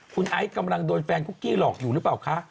คุณไอซ์กำลังโดนแฟนคุกกี้หลอกอยู่หรือเปล่าคะ